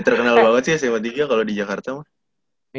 terkenal banget sih sma tiga kalau di jakarta